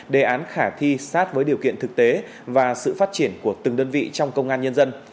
đề án khả thi sát với điều kiện thực tế và sự phát triển của từng đơn vị trong công an nhân dân